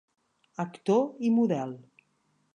Actor i model.